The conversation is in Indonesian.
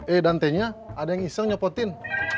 eh dantainya ada yang iseng nyepotin